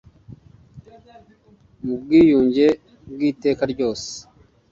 Mu bwiyunge bwiteka ryose